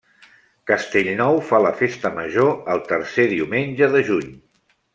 Castellnou fa la Festa Major el tercer diumenge de juny.